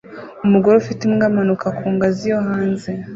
Umugore ufite imbwa amanuka ku ngazi yo hanze